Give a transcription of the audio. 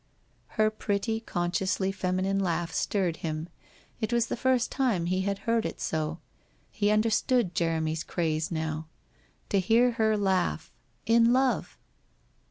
Her pretty, consciously feminine laugh stirred him. It was the first time he had heard it so. He understood Jer emy's craze, now. To hear her laugh — in love